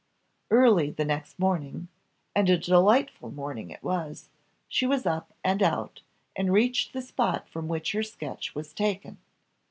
Early the next morning and a delightful morning it was she was up and out, and reached the spot from which her sketch was taken.